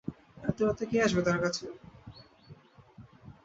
এত রাতে কে আসবে তাঁর কাছে!